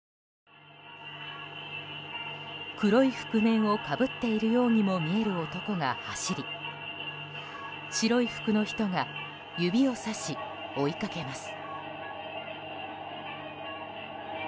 黒い覆面をかぶっているようにも見える男が走り白い服の人が指をさし、追いかけます。